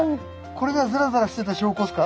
これがザラザラしてた証拠ですか？